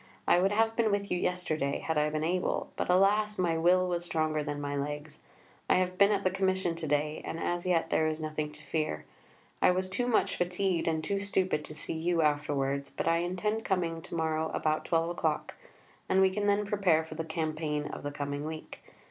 I would have been with you yesterday, had I been able, but alas! my will was stronger than my legs. I have been at the Commission to day, and as yet there is nothing to fear. I was too much fatigued and too stupid to see you afterwards, but I intend coming to morrow about 12 o'clock, and we can then prepare for the campaign of the coming week.